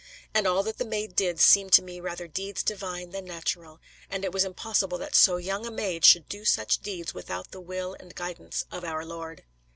And all that the Maid did seemed to me rather deeds divine than natural, and it was impossible that so young a maid should do such deeds without the will and guidance of Our Lord."